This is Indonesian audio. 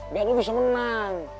biar lu bisa menang